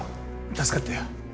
助かったよ。